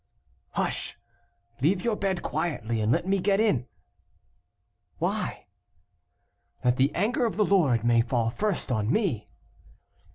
"Hush! leave your bed quietly, and let me get in." "Why?" "That the anger of the Lord may fall first on me."